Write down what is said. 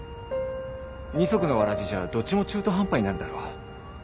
二足のわらじじゃどっちも中途半端になるだろ？